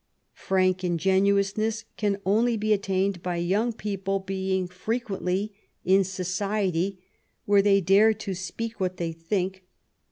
'' Frank ingenuousness " can only be attained by young people being frequently in society where they dare to speak what they think.